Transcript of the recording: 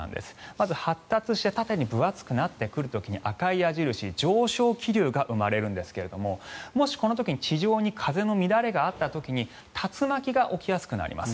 まず発達して縦に分厚くなってくる時に赤い矢印、上昇気流が生まれるんですけれどももし、この時に地上に風の乱れがあった時に竜巻が起きやすくなります。